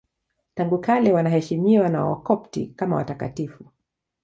Tangu kale wanaheshimiwa na Wakopti kama watakatifu.